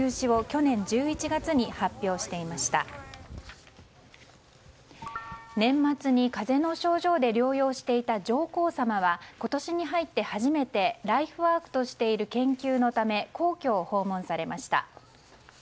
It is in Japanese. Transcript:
年末に、風邪の症状で療養していた上皇さまは今年に入って初めてライフワークとされている研究のため皇居を訪問されました。